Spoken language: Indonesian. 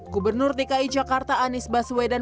gubernur dki jakarta anies baswedan